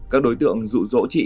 các đối tượng dụ dỗ trị